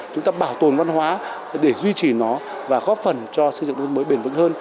chúng ta bảo tồn văn hóa để duy trì nó và góp phần cho xây dựng nông thôn mới bền vững hơn